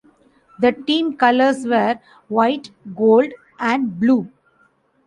The team colours were white, gold and blue.